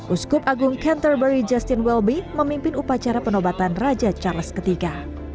uskup agung canterbury justin welby memimpin upacara penobatan raja charles iii